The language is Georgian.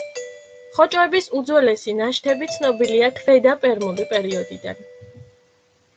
ხოჭოების უძველესი ნაშთები ცნობილია ქვედა პერმული პერიოდიდან.